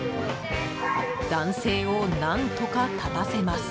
男性を何とか立たせます。